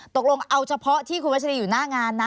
ตกลงเอาเฉพาะที่คุณวัชรีอยู่หน้างานนะ